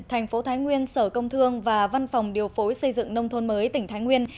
thành phố thái nguyên sở công thương và văn phòng điều phối xây dựng nông thôn mới tỉnh thái nguyên